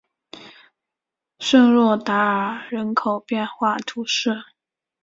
圣若达尔人口变化图示